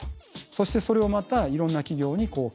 そしてそれをまたいろんな企業に共有する。